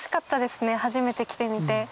初めて来てみて。